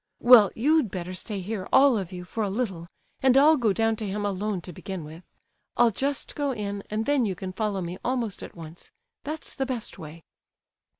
"Well, you'd better stay here, all of you, for a little, and I'll go down to him alone to begin with. I'll just go in and then you can follow me almost at once. That's the best way."